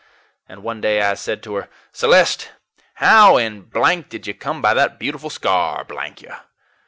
And one day I said to her, 'Celeste, how in blank did you come by that beautiful scar, blank you?'